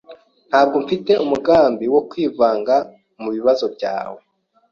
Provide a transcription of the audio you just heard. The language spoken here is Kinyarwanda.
Ntabwo mfite umugambi wo kwivanga mubibazo byawe.